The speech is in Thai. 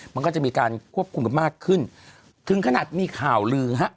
มันก็จะมีการควบคุมกันมากขึ้นถึงขนาดมีข่าวลือฮะ